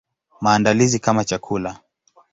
Maandalizi kama chakula.